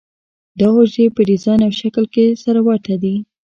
دا حجرې په ډیزاین او شکل کې سره ورته دي.